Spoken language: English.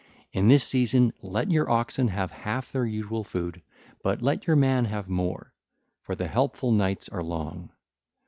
In this season let your oxen have half their usual food, but let your man have more; for the helpful nights are long.